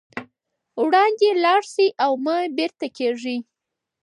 وړاندې لاړ شئ او مه بېرته کېږئ.